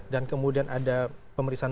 dan kemudian ada pemeriksaan